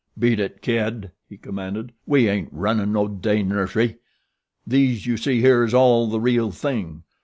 "Beat it, kid!" he commanded. "We ain't runnin' no day nursery. These you see here is all the real thing.